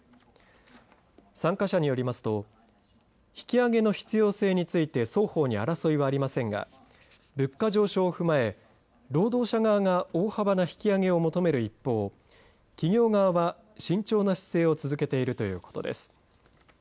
参加者によりますと引き上げの必要性について双方に争いはありませんが物価上昇を踏まえ、労働者側が大幅な引き上げを求める一方企業側は慎重な姿勢を続けているということです。